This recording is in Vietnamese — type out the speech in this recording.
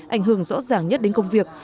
ảnh hưởng rõ ràng nhất đến công việc